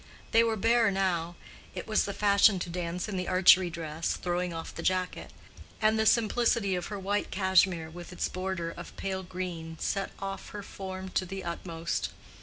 They were bare now; it was the fashion to dance in the archery dress, throwing off the jacket; and the simplicity of her white cashmere with its border of pale green set off her form to the utmost.